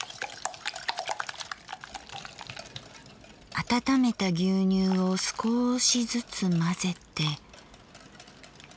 温めた牛乳を少しずつ混ぜて。